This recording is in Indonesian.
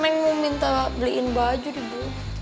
neng mau minta beliin baju di bu